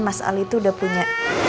mas ali itu udah punya